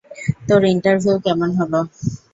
তোর ইন্টারভিউ কেমন হলো?